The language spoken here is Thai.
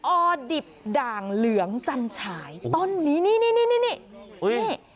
ออดิบด่างเหลืองจันฉายต้นนี้นี่นี่นี่นี่นี่นี่